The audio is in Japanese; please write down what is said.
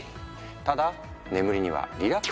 ただ眠りにはリラックスも大切。